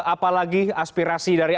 apalagi aspirasi dari